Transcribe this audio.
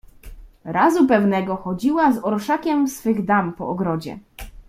"Razu pewnego chodziła z orszakiem swych dam po ogrodzie."